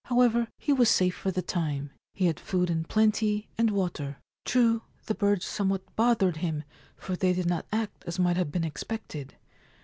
However, he was safe for the time ; he had food in plenty, and water ; true, the birds somewhat bothered him, for they did not act as might have been expected.